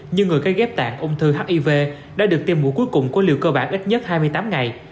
nhưng người gây ghép tạng ung thư hiv đã được tiêm mũi cuối cùng của liều cơ bản ít nhất hai mươi tám ngày